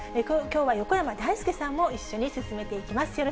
きょうは横山だいすけさんも一緒に進めていきます。